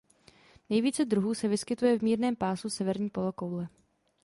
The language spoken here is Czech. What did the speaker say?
Nejvíce druhů se vyskytuje v mírném pásu severní polokoule.